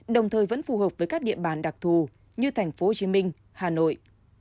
đồng thời vẫn phù hợp với các địa bàn đặc thù như tp hcm hà nội